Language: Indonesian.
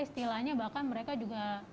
istilahnya bahkan mereka juga